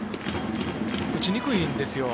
打ちにくいんですよ。